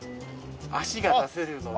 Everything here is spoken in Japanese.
足が出せるので。